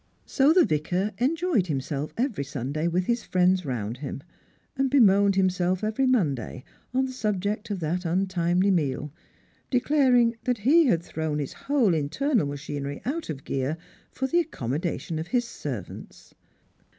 So the Vicar enjoyed himself every Sunday with his friends round him, and bemoaned himself every Monday on the suliject of that untimely meal, declaring that he had thrown his whole internal machinei y out of gear for the accommodation of hia servants.